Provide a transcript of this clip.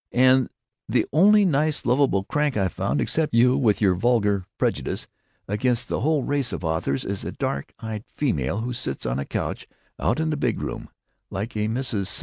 And the only nice lovable crank I've found—except you, with your vulgar prejudice against the whole race of authors—is a dark eyed female who sits on a couch out in the big room, like a Mrs. St.